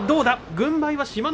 軍配は志摩ノ